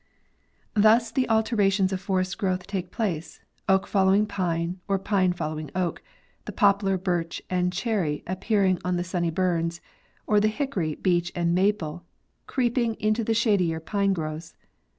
Thus the alterations of forest growth take place, oak following pine or pine following oak; the poplar, birch and cherry appear ing on the sunny burns, or the hickory, beech and maple creep ing into the shadier pine growths.